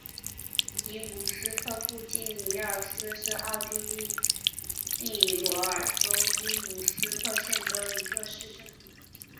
伊姆斯特附近米尔斯是奥地利蒂罗尔州伊姆斯特县的一个市镇。